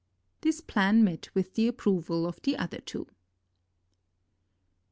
This plan met with the approval of the other two.